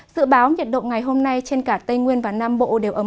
dự báo nhiệt độ ngày hôm nay trên cả tây nguyên và nam bộ đều ấm